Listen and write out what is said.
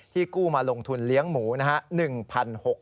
กู้มาลงทุนเลี้ยงหมูนะฮะ